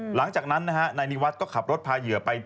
หลังจากนั้นนะฮะนายนิวัฒน์ก็ขับรถพาเหยื่อไป